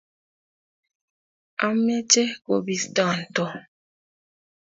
ameche kobiston Tom